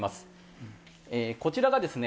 こちらがですね